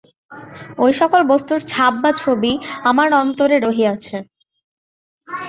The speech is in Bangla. ঐসকল বস্তুর ছাপ বা ছবি আমার অন্তরে রহিয়াছে।